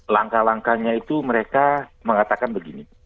langkah langkahnya itu mereka mengatakan begini